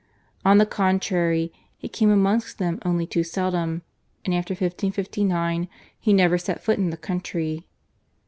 On the contrary he came amongst them only too seldom, and after 1559 he never set foot in the country.